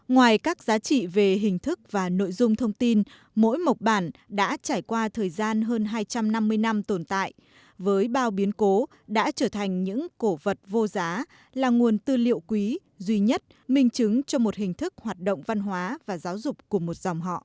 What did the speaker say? ngoài các giá trị về hình thức và nội dung thông tin mỗi mộc bản đã trải qua thời gian hơn hai trăm năm mươi năm tồn tại với bao biến cố đã trở thành những cổ vật vô giá là nguồn tư liệu quý duy nhất minh chứng cho một hình thức hoạt động văn hóa và giáo dục của một dòng họ